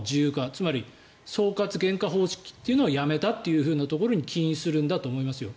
つまり総括原価方式っていうのをやめたというところに起因するんだと思いますよ。